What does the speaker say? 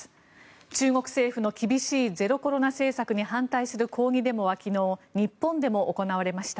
中国政府の厳しいゼロコロナ政策に反対する抗議デモは昨日、日本でも行われました。